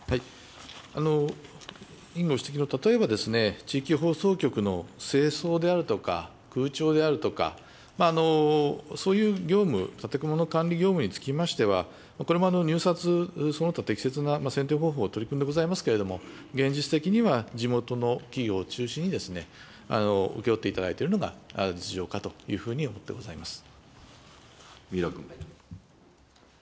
委員ご指摘の、例えば地域放送局の清掃であるとか空調であるとか、そういう業務、建物管理業務につきましては、これも入札その他適切な選定方法を取り組んでございますけれども、現実的には地元の企業を中心に請け負っていただいているのが実情かというふうに思ってございます。